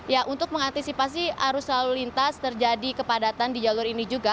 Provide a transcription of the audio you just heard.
ya untuk mengantisipasi arus lalu lintas terjadi kepadatan di jalur ini juga